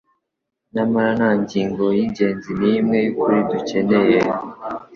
nyamara nta ngingo y’ingenzi n’imwe y’ukuri dukeneye